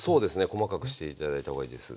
細かくして頂いた方がいいです。